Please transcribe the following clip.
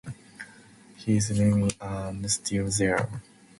His remains are still there.